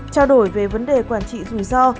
trao đổi về vấn đề quản trị rủi ro